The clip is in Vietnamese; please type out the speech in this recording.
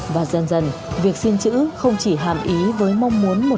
và dần dần việc xin chữ không chỉ hàm ý với mong muốn một năm mới nhiều mới